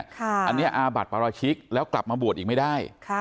อันนี้อาบัติปราชิกแล้วกลับมาบวชอีกไม่ได้